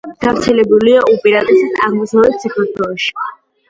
გავრცელებულია უპირატესად აღმოსავლეთ საქართველოში.